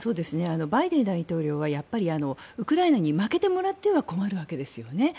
バイデン大統領はウクライナに負けてもらっては困るわけですよね。